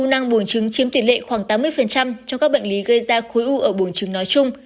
u nang buồng trứng chiếm tiền lệ khoảng tám mươi trong các bệnh lý gây ra khối u ở buồng trứng nói chung